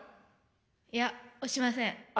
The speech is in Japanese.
いや押しません。